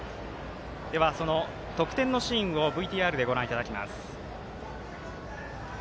その得点のシーンをＶＴＲでご覧いただきます。